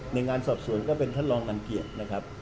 ในงานสอบสวนก็เป็นท่านรองรังเกียจนะครับ